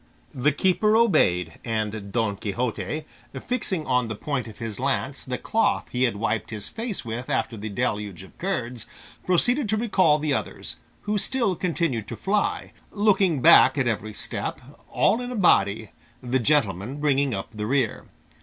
The keeper obeyed, and Don Quixote, fixing on the point of his lance the cloth he had wiped his face with after the deluge of curds, proceeded to recall the others, who still continued to fly, looking back at every step, all in a body, the gentleman bringing up the rear.